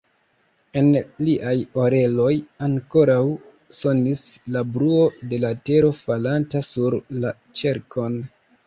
En liaj oreloj ankoraŭ sonis la bruo de la tero falanta sur la ĉerkon.